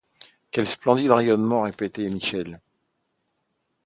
Quel splendide rayonnement, répétait Michel.